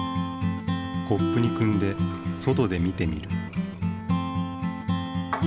コップにくんで外で見てみる。